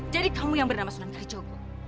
jadi kamu yang bernama sunan kalijewa